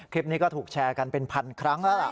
คลิปนี้ก็ถูกแชร์กันเป็นพันครั้งแล้วล่ะ